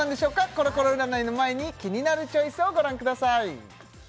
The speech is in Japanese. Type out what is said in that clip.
コロコロ占いの前に「キニナルチョイス」をご覧ください